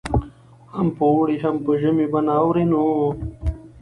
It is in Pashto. هم په اوړي هم په ژمي به ناورین وو